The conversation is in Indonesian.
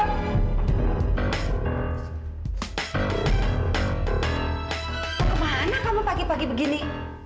mau ke mana kamu pagi pagi begini